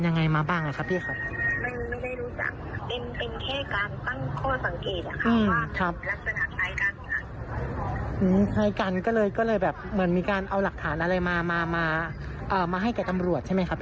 ยังไงมาบ้างอะพี่บาป